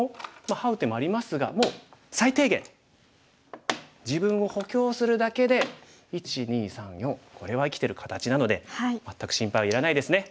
ハウ手もありますがもう最低限自分を補強するだけで１２３４これは生きてる形なので全く心配はいらないですね。